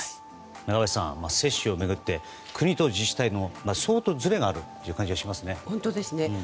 中林さん、接種を巡って国と自治体と相当ずれがあるという感じがしますね。